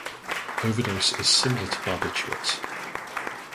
Overdose is similar to barbiturates.